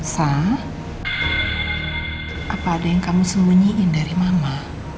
sah apa ada yang kamu sembunyiin dari mama